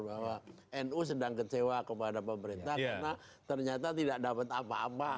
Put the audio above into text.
bahwa nu sedang kecewa kepada pemerintah karena ternyata tidak dapat apa apa